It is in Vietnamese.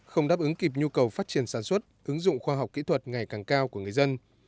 không đáp ứng kịp nhu cầu phát triển sản xuất ứng dụng khoa học kỹ thuật ngày càng cao của người dân